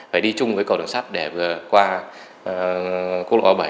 phải đi chung với cầu đường sắt để vượt qua cốt lộ a bảy